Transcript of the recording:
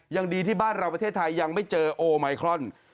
ยังดีที่บ้านเราประเทศไทยยังไม่เจอโอไมครอน